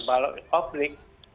baru satu per delapan dari korea selatan